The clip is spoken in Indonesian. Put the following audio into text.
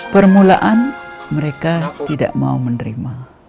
permulaan mereka tidak mau menerima